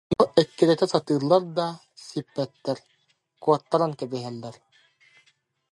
Ону эккирэтэ сатыыллар да, сиппэттэр, куоттаран кэбиһэллэр